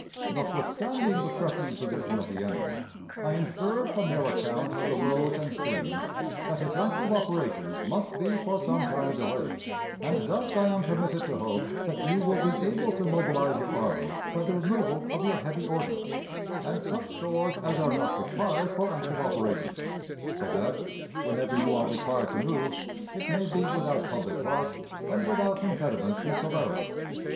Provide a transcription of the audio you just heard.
Notwithstanding the threatening position of the enemy, I infer from your account of the roads and streams that his active operations must be for some time delayed, and thus I am permitted to hope that you will be able to mobilize your army by the removal of your heavy ordnance and such stores as are not required for active operations, so that, whenever you are required to move, it may be without public loss and without impediment to celerity.